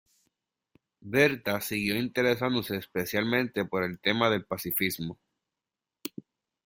Bertha siguió interesándose especialmente por el tema del pacifismo.